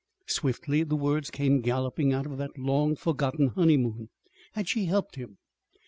(Swiftly the words came galloping out of that long forgotten honeymoon.) Had she helped him?